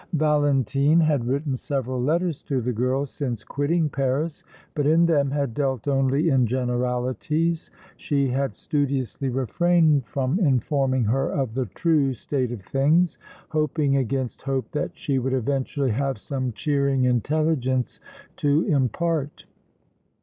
Valentine had written several letters to the girl since quitting Paris, but in them had dealt only in generalities; she had studiously refrained from informing her of the true state of things, hoping against hope that she would eventually have some cheering intelligence to impart.